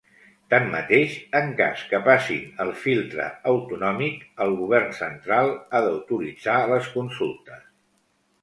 Tanmateix, en cas que passin el filtre autonòmic el Govern Central ha d'autoritzar les consultes.